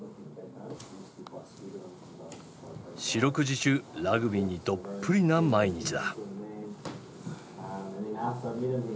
四六時中ラグビーにどっぷりな毎日だ。